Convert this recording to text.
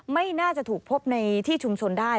ไม่น่าจะถูกพบในที่ชุมชนได้